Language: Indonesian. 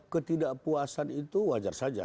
ketidakpuasan itu wajar saja